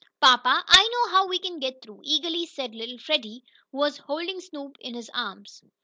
"Papa, I know how we can get through," eagerly said little Freddie, who was holding Snoop in his arms.